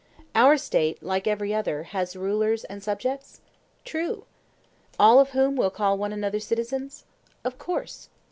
Our State like every other has rulers and subjects? True. All of whom will call one another citizens? Of course.